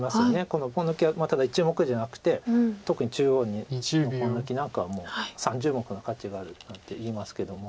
このポン抜きはただ１目じゃなくて特に中央のポン抜きなんかは３０目の価値があるなんていいますけども。